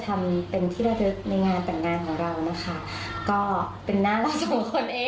ใช่ค่ะให้พี่พี่เจ้าหน้าที่ลองออกไปใส่เล่นดูนะคะ